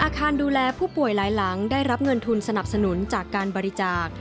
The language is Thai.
ดูแลผู้ป่วยหลายหลังได้รับเงินทุนสนับสนุนจากการบริจาค